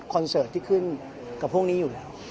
เสิร์ตที่ขึ้นกับพวกนี้อยู่แล้ว